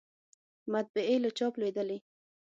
مطبعې له چاپ لویدلې